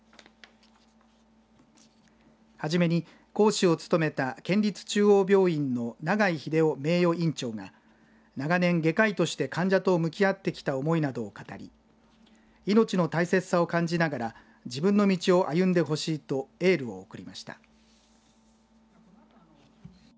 初めに講師を務めた県立中央病院の永井秀雄名誉院長が長年外科医として患者と向き合ってきた思いなどを語り命の大切さを感じながら自分の道を歩んでほしいとエールを送りました。